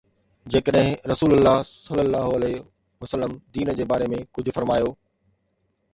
جيڪڏهن رسول الله صلي الله عليه وآله وسلم دين جي باري ۾ ڪجهه فرمايو.